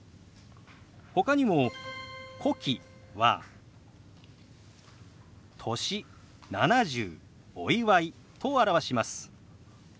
ほかにも「古希」は「歳」「７０」「お祝い」と表します。